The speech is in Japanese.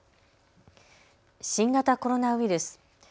新型コロナウイルス。